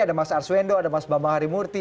ada mas aswendo ada mas bama harimurti